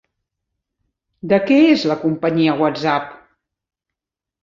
De què és la companyia WhatsApp?